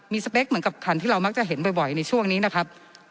มีสเปคเหมือนกับคันที่เรามักจะเห็นบ่อยในช่วงนี้นะครับ